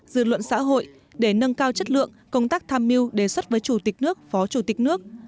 dư luận xã hội để nâng cao chất lượng công tác tham mưu đề xuất với chủ tịch nước phó chủ tịch nước